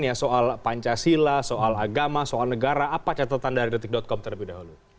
ya soal pancasila soal agama soal negara apa catatan dari detik com terlebih dahulu